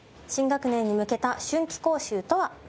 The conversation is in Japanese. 新学年に向けた春期講習とは？